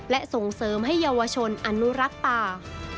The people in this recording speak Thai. และส่งเสริมให้เยาวชนอนุรักษ์ป่า